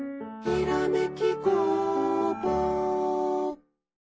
「ひらめき」